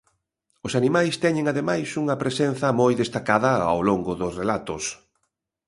Os animais teñen ademais unha presenza moi destacada ao longo dos relatos.